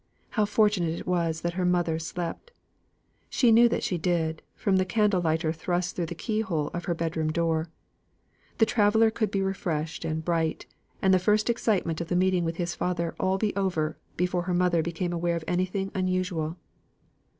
How fortunate it was that her mother slept! She knew that she did, from the candle lighter thrust through the keyhole of her bedroom door. The traveller could be refreshed and bright, and the first excitement of the meeting with his father all be over, before her mother became aware of anything unusual.